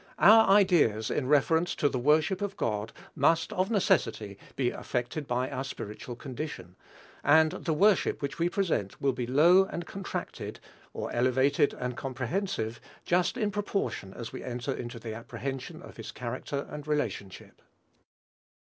Our ideas in reference to the worship of God must, of necessity, be affected by our spiritual condition; and the worship which we present will be low and contracted, or elevated and comprehensive, just in proportion as we enter into the apprehension of his character and relationship.